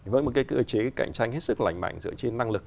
với một cơ chế cạnh tranh hết sức lành mạnh dựa trên năng lực